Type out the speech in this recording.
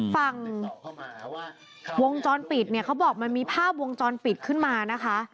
ฝั่งวงจรปิดเนี่ยเขาบอกมันมีภาพวงจรปิดขึ้นมานะคะ